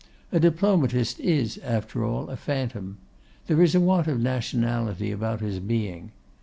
A Diplomatist is, after all, a phantom. There is a want of nationality about his being.